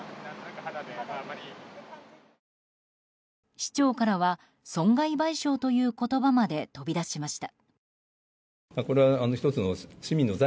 市長からは、損害賠償という言葉まで飛び出しました。